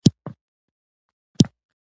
چی خپل سپی په پردی ننگه، افغانانوته غپیږی